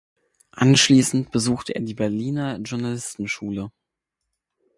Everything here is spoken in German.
Anschließend besuchte er die Berliner Journalistenschule.